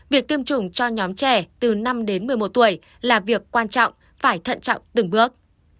việc tiêm chủng cho nhóm trẻ từ năm đến một mươi một tuổi là việc quan trọng phải thận trọng từng bước